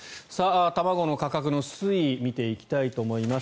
卵の価格の推移を見ていきたいと思います。